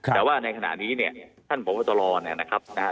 แต่ว่าในขณะนี้เนี่ยท่านบอกว่าตลอดนะครับนะฮะ